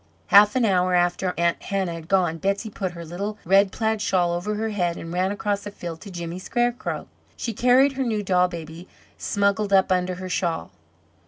Half an hour after Aunt Hannah had gone Betsey put her little red plaid shawl over her head, and ran across the field to Jimmy Scarecrow. She carried her new doll baby smuggled up under her shawl.